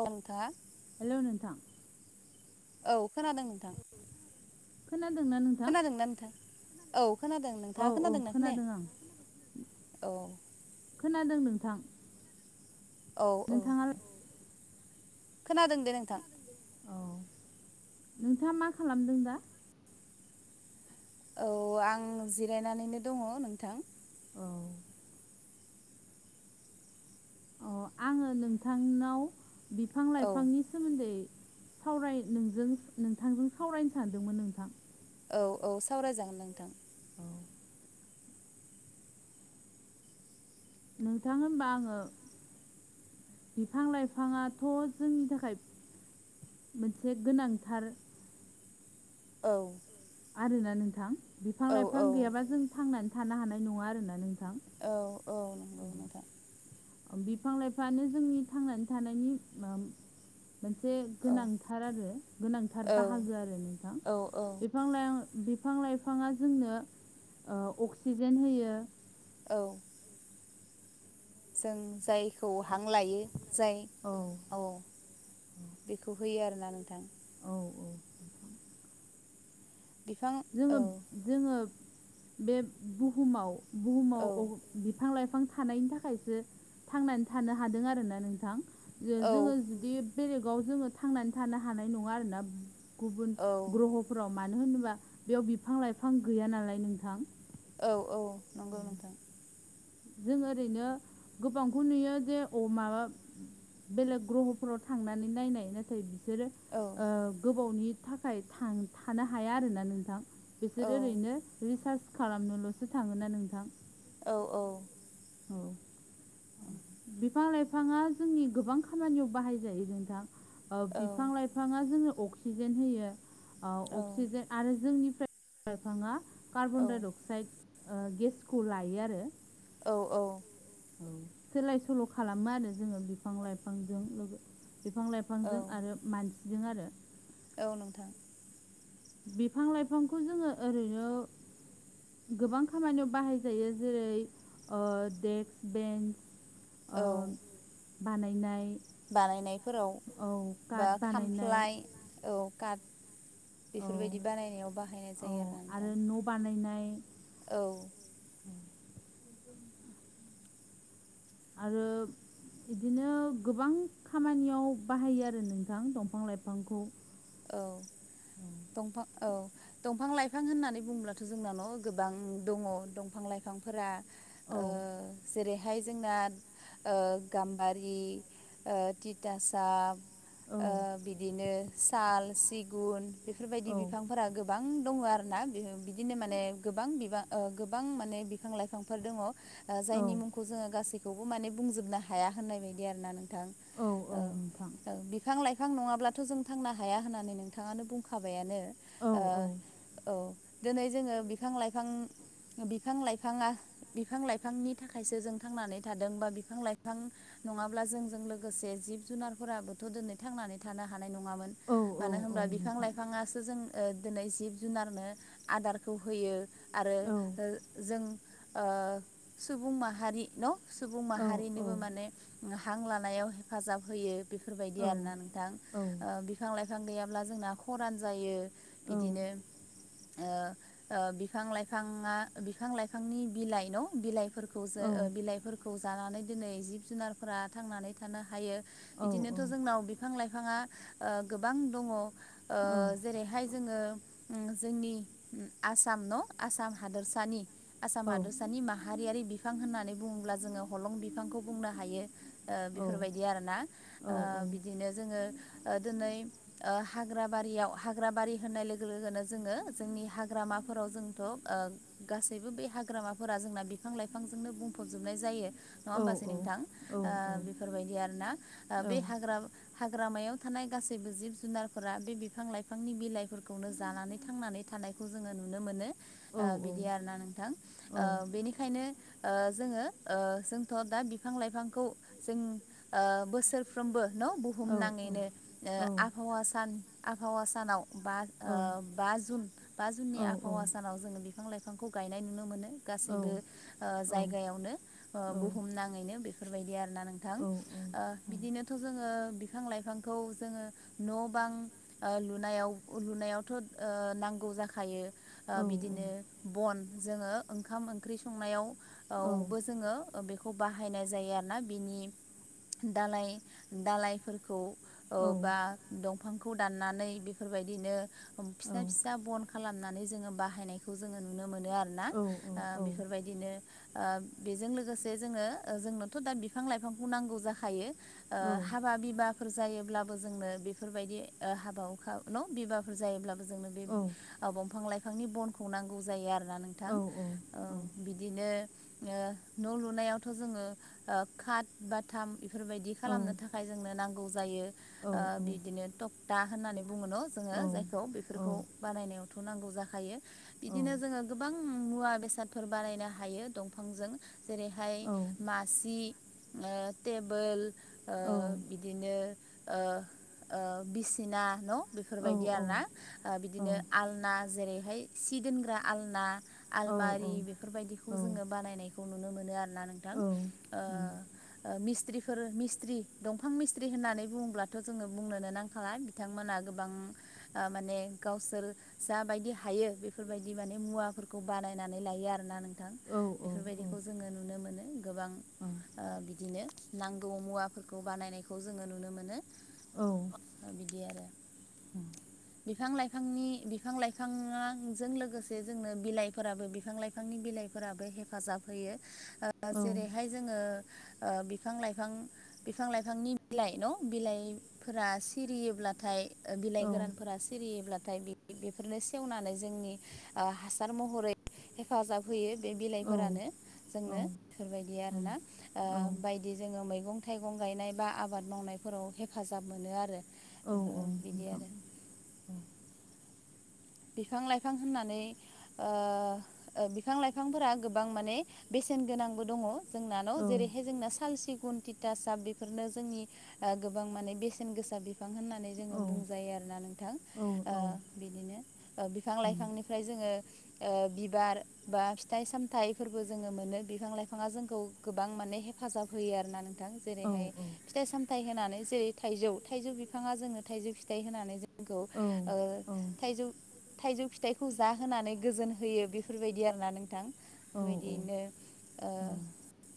औ नोंथाङा हेल' नोंथां। औ खोनादों नोंथां? खोनादों ना नों खोनादोंना नोंथां? औ खोनादों। औ नोंथाङा औ खोनादोंना खोनादों आं खोनायाखै? औ। खोनादों नोंथां। औ औ। नोंथाङा खोनादों दे नोंथां औ नोंथाङा मा खालामदों दा औ आं जिरायनानैनो दङ नोंथां औ अ आङो नोंथांनाव बिफां औ लाइफांनि सोमोन्दै सावराय नोजों नोंथांजों सावरायनो सानदोंमोन नोंथां। औ औ सावरायजागोन नोंथां। [unintelligible] नोंथां होनबा आङो। बिफां लाइफाङाथ' जोंनि थाखाय मोनसे गोनांथार औ आरोना नोंथां बिफां औ लाइफां औ गैयाबा जों थांनानै थानो हानाय नङा आरोना नोंथां औ औ नंगौ नोंथां बिफां लाइफाङानो जोंनि थांनानै थानायनि मोनसे औ गोनांथार आरो गोनांथार औ बाहागो आरो नोंथां औ औ बे बिफां लाइ बिफां लाइफाङा जोंनो अक्सिजेन होयो औ जों जायखौ हां लायो जाय औ बेखौ होयो आरोना नोंथां औ औ बिफां जोङो औ जोङो बे बुहुमाव औ बुहुमाव बिफां लाइफां थानायनि थाखायसो थांनानै थानो हादों आरोना नोंथां औ जोङो जुदि बेलेगाव जोङो थांनानै थानो हानाय नङा आरोना गुबुन औ ग्रह'फोराव मानो होनोबा बेयाव बिफां लाइफां गैया नालाय नोंथां औ औ नंगौ नोंथां जों ओरैनो गोबांखौ नुयो जे अ माबा बेलेग ग्रह'फोराव थांनानै नायनाय नाथाय बिसोर औ बिसोरो गोबावनि थाखाय थां थानो हाया आरोना नोंथां औ बिसोरो ओरैनो रिसार्ज खालामनोल'सो थाङोन ना नोंथां औ औ औ औ बिफां लाइफाङा जोंनि गोबां खामानियाव बाहाय जायो जोंथां औ बिफां लाइफाङा जोङो अक्सिजेन होयो औ अक्सिजेन आरो जोंनिफ्राय बिफां लाफाङा कार्बनडाइ अक्साइड गेसखौ लायो आरो औ औ औ सोलाय सोल' खालामो आरो जोङो बिफां लाइफांजों बिफां लाइफां औ लाइफांजों आरो मानसिजों आरो औ नोंथां बिफां लाइफांखौ जोङो ओरैनो गोबां खामानियाव बाहायजायो जेरै देक्स बेन्स ओ औ बानायनाय बानायनायफोराव औ बा काट बानायनाय खामफ्लाय औ काट औ बेफोरबायदि बानायनायाव बाहायनाय औ जायो आरो ना नोंथां न' बानायनाय औ आरो बिदिनो गोबां खामानियाव बाहायो आरो नोंथां दंफां लाइफांखौ औ दंफां औ दंफां लाइफां होननानै बुंङोब्लाथ' जोंना न' गोबां दङ दंफां लाइफांफोरा औ ओ जेरै बेहाय जोंना ओ गाम्बारि ओ तिथासाफ ओ औ बिदिनो साल सिगुन बेफोरबायदि औ बिफां फोरा गोबां दङ आरोना बिदिनो माने गोबां बिबां ओ गोबां माने बिफां लाइफांफोर दङ औ जायनि मुं खौ जोङो गासैखौबो माने बुंजोबनो हाया होननाय बायदि आरोना नों औ औ औ बिफां लाइफां नङाब्लाथ' जों थांनो हाया होननानै नोंथाङानो बुंखाबायानो औ ओ औ औ दिनै जोङो बिफां लाइफां बिफां लाइफाङा बिफां लाइफांनि थाखायसो जों थांनानै थादों बा बिफां लाइफां नङाब्ला जोंजों लोगोसे जिब जुनारफोराबोथ' दिनै थांनानै थानो हानाय नङामोन औ औ मानो औ होनबा बिफां नोंथां लाइफाङासो जों ओ दिनै जिब जुनारनो आदारखौ होयो आरो औ ओ जों ओ सुबुं माहारि न' सुबुं औ औ माहारिनोबो माने हां लानायाव हेफाजाब होयो बेफोरबायदि औ आरोना नोंथां ओ औ बिफां ला लाइफां गैयाब्ला जोंना खरान जायो औ बिदिनो ओ ओ बिफां लाइफाङा बिफां लाइफांनि बिलाइ न' बिलाइफोर खौ औ जो बिलाइफोरखौ जानानै दिनै जिब जुनारफोरा थांनानै थानो हायो बिदिनोथ' जोंनाव बिफां लाइफाङा ओ गोबां दङ ओ औ जेरैहाय जोङो जोंनि आसा आसाम न हादसानि आसाम हादोरसानि मा माहारियारि बिफां होननानै बुङोब्ला जोङो हलं बिफांखौ बुंनो हायो ओ बेफोर बायदि आरोना औ ओ बिदिनो जोङो दिनै ओ हाग्रा बारियाव हाग्रा बारि होननाय लोगो लोगोनो जोङो जोंनि हाग्रामाफोराव जोंथ' ओ गासैबो बे हाग्रामाफोरा जोंना बे बिफां लाइफांजोंनो बुंफबजोबनाय जायो नङा होमबासै नोंथां औ ओ बेफोरबायदि आरोना बे हाग्रा हाग्रामायाव थानाय गासैबो जिब जुनारफोरा बे बिफां लाइफांनि बिलाइफोरखौनो जानानै थांनानै थानाय खौ जोङो नुनो मोनो ओ बिदि आरोना नोंथां ओ बेनिखायनो ओ जोङो ओ जोंथ' दा बिफां लाइफांखौ जों ओ बोसोर फ्रोमबो न' बुहुम नाङैनो आबहावा सान आबहावा सानाव बा ओ बा जुन बा जुननि आबहावा सानाव जोङो बिफां लाइफांखौ गायनाय नुनो मोनो गासैबो ओ जायगायावनो ओ बुहुम नाङैनो बेफोरबायदि आरोना नों थां ओ बिदिनोथ' जोङो बिफां लाइफांखौ जोङो न' बां ओ लुनायाव लुनायावथ' ओ नांगौ जाखायो ओ औ बिदिनो बन जोङो ओंखाम ओंख्रि संनायाव यावबो जोङो बेखौ बाहायनाय जायो आरो ना बिनि दालाय दालायफोरखौ औ बा दंफांखौ दाननानै बेफोरबायदिनो फिसा फिसा बन खालामनानै जोङो बाहायनायखौ जोङो नुनो मोनो आरोना ओ बेफोरबायदिनो ओ बेजों लोगोसे जोङो जोंनोथ' दा बिफां लाइफांखौ नांगौ जाखायो ओ हाबा बिबाफोर जायो ब्लाबो जोंनो बेफोरबायदि ओ हाबा हुखा न' बिबाफोर जायोब्ला जोंनो बे बंफां लाइफांनि बनखौ नांगौ जायो आरोना नोंथां औ बिदिनो न' ओ लुनायावथ' जोङो खाट बाथाम इफोरबायदि खालामनो थाखाय जोंनो नांगौ जायो ओ बिदिनो टक दा होननानै बुङोन' जोङो जायखौ बेफोरखौ बानायनायावथ' नांगौ जाखायो बिदिनो जोङो गोबां मुवा बेसादफोर बानायनो हायो दंफांजों जेरैहाय मासि टेबोल बिदिनो ओ ओ बिसिना न' बेफोरबायदि आरो ना बिदिनो आलना जेरैहाय सि दोनग्रा आलना आलमारि बेफोरबायदिखौ औ औ जोङो बानायनायखौ नुनो मोनो आरो ओ औ उम, ओ मिस्त्रिोफोर मिसत्रि दंफां मिसत्रि होननानै बुङोब्ला बुंब्लाथ' जोङो बुंनोनो नांखाला बिथांमोनहा गोबां ओ माने गावसोर जाबायदि हायो बेफोरबायदि माने मुवाफोरखौ बानायनानै लायो आरोना नों औ बेफोरबायदिखौ जोङो नुनो मोनो गोबां औ ओ बिदि बिदिनो नांगौ मुवाफोरखौ बानायनायखौ जोङो नुनो मोनो औ बिदि आरो [unintelligible] बिफां लाइफांनि बिफां लाइफांजों लोगोसे जोंनो बिलाइफोराबो बिफां लाइफांनि बिलाइ फोराबो हेफाजाब होयो औ जेरैहाय जोङो ओ बिफां लाइफां बिफां लाइफांनि बिलाइ न' बिलाइफोरा सिरियोब्लाथाय बिलाइ गोरान फोर औ सिरियोब्लाथाय बेफोरनो सेवनानै जोंनि हासार महरै हेफाजाब होयो बे बिलाइफोरानो जोंनो बेफोरबायदि आरोना ओ औ बायदि जोङो मैगं थाइगं गायनाय बा आबाद मावनायफोराव हेफाजाब मोनो आरो औ ओ बिदि आरो बिफां लाइफां होननानै ओ बिफां लाइफांफोरा गोबां माने बेसेन गोनांबो दङ जोंना न' जेरैहाय जोंना साल सिगुन् [unintelligible] बेफोरनो जोंनि ओ गोबां माने बेसेन गोसा बिफां होननानै जोङो बुंजायो आरोना नोंथां बिदिनो बिफां लाइफांनिफ्राय जोङो ओ बिबार बा फिथाइ सामथाइफोरबो जोङो मोनो बिफां लाइफाङा जोंखौ गोबां माने हेफाजाब होयो आरोना नों थां जेरैहाय फिथाइ सामथाइ होनानै जेरै थाइजौ थाइजौ बिफाङा जोंनो थाइजौ फिथाइ होनानै जों ओ थाइजौ थाइजौ फिथाइखौ जाहोनानै गोजोन होयो बेफोरबायदि आरोना नोंथां बेफोरबायदिनो ओ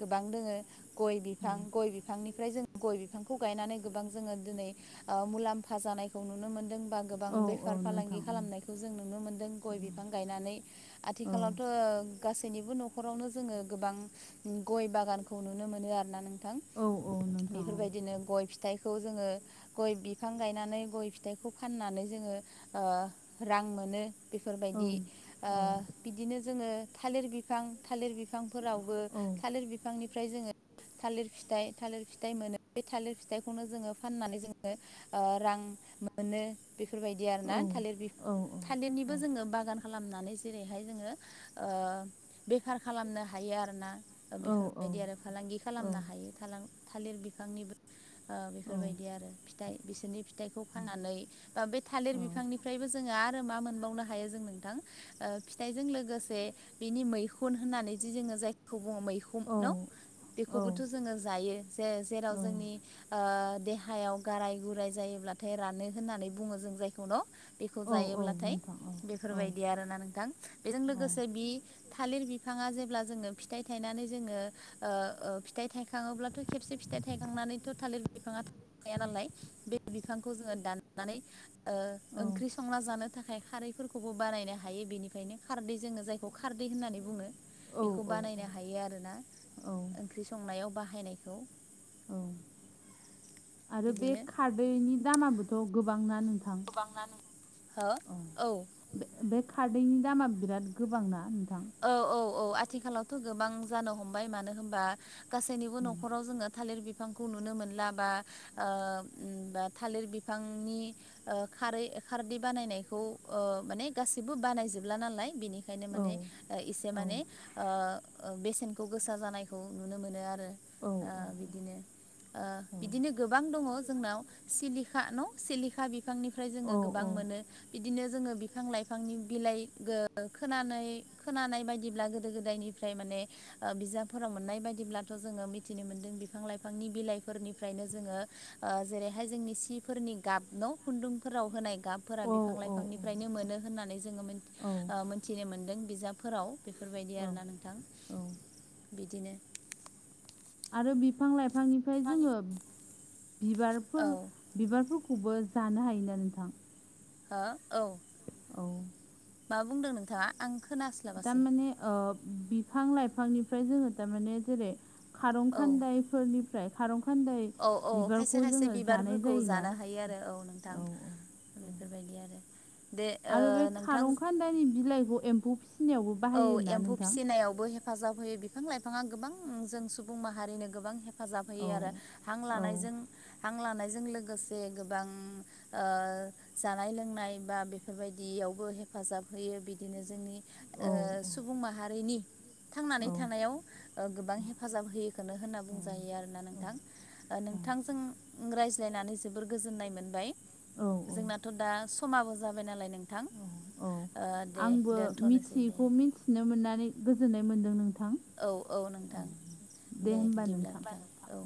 गोबां दोङो गय बिफां गय बिफांनिफ्राय जों गय बिफांखौ गायनानै गोबां जोङो दिनै ओ मुलाम्फा जानायखौ नुनो मोनदों बा गोबां बेफार फालांगि नोंथां खालामनायखौ जों नुनो मोनदों गय बिफां गायनानै औ आथिखालावथ' गासैनिबो न'खरावनो जोङो गोबां गय बागानखौ नुनो मोनो आरो ना नोंथां औ औ उम, बेफोरबायदिनो गय फिथाइ जोङो गय बिफां गायनानै गय फिथाइखौ फाननानै जोङो रां मोनो औ नोंथां औ नोंथां औ बेफोरबायदि बिदिनो जोङो थालिर बिफां थालिर बिफांफोरावबो थालिर बिफांनिफ्राय जोङो थालिर फिथाइ थालिर फिथाइ मोनो बे थालिर फिथाइखौनो जोङो फाननानै जोङो ओ रां मोनो बेफोरबायदि आर ना थालिर बि औ थालिरनिबो जोङो बागान खालामनानै जेरैहाय जोङो ओ बेखार खालामनो हायो आरो ना बेफोरबायदि आरो फालांगि खालामनो हायो थालिर बिफांनिबो ओ बेफोरबायदि आरो फिथाइ बिसोरनि फिथाइखौ फाननानै बा बे थालिर बिफांनिफ्रायबो जोङो आरो मा मोनबावनो हायो जों नोंथां ओ फिथाइजों लोगोसे बिनि मैखुन होननानै जि जोङो जाय खौ बुङो मैहुम न' औ बेखौबोथ' जोङो जायो ज जेराव औ औ जोंनि देहा हायाव गाराय गुराय जायोब्लाथाय रानो होननानै बुङो जों जायखौनो बेखौ औ जायोब्लाथाय नोंथां औ बेफोरबायदि आरो ना नोंथां बेजों औ लोगोसे बि थालिर बिफाङा जेब्ला जोङो फिथाइ थायनानै जोङो ओ ओ फिथाइ थाइखाङोब्लाथ' खेबसे फिथाइ थायखांनानैथ' थालिर बिफाङा थ गाया नालाय बे बिफांखौ जोङो दाननानै ओ औ ओंख्रि संना जानो थाखाय खारैफोरखौबो बानायनो हायो बेनिखायनो खारदै जोङो जायखौ खारदै होननानै बुङो। औ बेखौ बानायनो हायो आरोना औ ओंख्रि संनायाव बाहायनायखौ औ आरो बे बिदिनो खारदैनि दामाबोथ' गोबांना नोंथां [unintelligible] हो औ बे खारदैनि दामा बिराद गोबां ना नोंथां औ औ औ आथिखालावथ' गोबां जानो हमबाय मानो होमबा गासैनिबो न'खराव जोङो थालिर बि फांखौ नुनो मोनला बा ओ बा थालिर बिफांनि ओ खारै खारदै बानायनायखौ माने गासिबो बानायजोबला नालाय बिनिख खायनो औ माने ओ एसे औ माने ओ बेसेनखौ गोसा जानायखौ नुनो मोनो आरो। औ ओ बिदिनो। ओ बिदिनो औ गोबां दङ जोंनाव सिलिखा न' सिलिखा बि फांनिफ्राय जोङो औ गोबां मोनो बि बिदिनो जोङो बिफां लाइफांनि बिलाइ गो खोनानै खोनानाय बायदिब्ला गोदो गोदायनिफ्राय माने ओ बिजाबफोराव मोननाय बायदिब्लाथ' जोङो मिथिनो मोनदों बिफां लाइफांनि बिलाइफोरनिफ्रायनो जोङो ओ जेरैहाय जोंनि सिफोरनि गाब न' खुन्दुंफोराव होनाय गाबफोरा औ बिफां लाइफांनिफ्रायनो मोनो होननानै जोङो मोन औ ओ मोनथिनो मोनदों बिजाबफोराव। बेफोरबायदि औ आरोना नोंथां बिदिनो। आरो बिफां लाइफांनिफ्राय जोङो औ बिबारफोर बिबारफोरखौबो जानो हायोना नोंथां? हो औ। औ। मा बुंदों नोंथाङा आं खोनास्लाबासै दामाने ओ बिफां लाइफांनिफ्राय जोङो दामाने जेरै खारं औ खान्दायफोरनिफ्राय खारं खान्दाय औ औ खायसे बिबारखौ खायसे जोङो जानाय बिबारफोरखौ जायोना जानो हायो आरो औ नोंथां। औ बेफोरबायदि आरो। दे ओ आरो बे नोंथां खारंखान्दायनि बिलाइखौ एम्फौ फिसिनायावबो औ बाहायोना एम्फौ नोंथां फिसिनायावबो हेफाजाब होयो बिफां लाइफाङा गोबां जों सुबुं माहारिनो गोबां फाजाब होयो औ आरो हां औ लानायजों हां लानायजों लोगोसे गोबां ओ जानाय लोंनाय बा बेफोरबायदियावबो हेफाजाब होयो बिदिनो जोंनि औ ओ सुबुं माहारिनि थांनानै औ थानायाव ओ गोबां हेफाजाब होयोखौनो होनना बुंजायो आरोना नोंथां। ओ नोंथांजों रायज्लायनानै जोबोर गोजोननाय मोनबाय। औ औ जोंनाथ' दा समाबो जाबाय नालाय नों औ आंबो मिथि दोनथ'नोसै दे थिखौ मिथिनो मोननानै गोजोननाय मोन्दों नोंथां। औ औ नोंथां दे बिदिब्ला नोंथां औ।